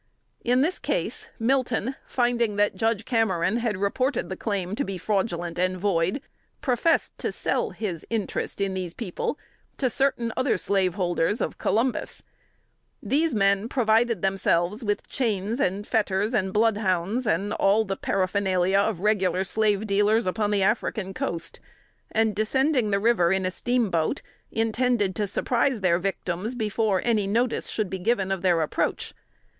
In this case, Milton, finding that Judge Cameron had reported the claim to be fraudulent and void, professed to sell his interest in these people to certain other slaveholders, of Columbus. These men provided themselves with chains, and fetters, and bloodhounds, and all the paraphernalia of regular slave dealers upon the African coast, and descending the river in a steamboat, intended to surprise their victims before any notice should be given of their approach.